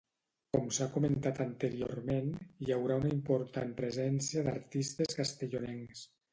Com s’ha comentat anteriorment, hi haurà una important presència d’artistes castellonencs.